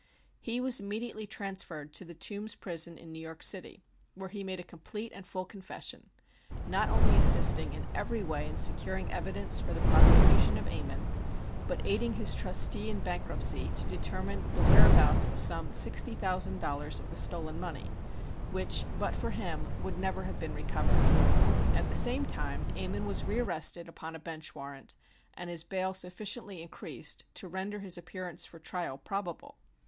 He was immediately transferred to the Tombs Prison in New York City, where he made a complete and full confession, not only assisting in every way in securing evidence for the prosecution of Ammon, but aiding his trustee in bankruptcy to determine the whereabouts of some sixty thousand dollars of the stolen money, which but for him would never have been recovered. At the same time Ammon was re arrested upon a bench warrant, and his bail sufficiently increased to render his appearance for trial probable.